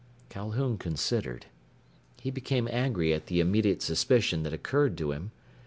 Calhoun considered. He became angry at the immediate suspicion that occurred to him.